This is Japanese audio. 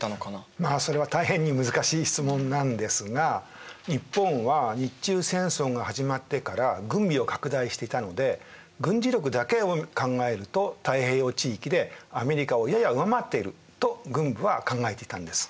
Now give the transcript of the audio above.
まあそれは大変に難しい質問なんですが日本は日中戦争が始まってから軍備を拡大していたので軍事力だけを考えると太平洋地域でアメリカをやや上回っていると軍部は考えていたんです。